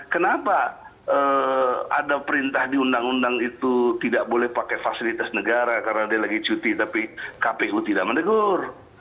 kenapa ada perintah di undang undang itu tidak boleh pakai fasilitas negara karena dia lagi cuti tapi kpu tidak menegur